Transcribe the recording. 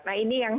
nah ini yang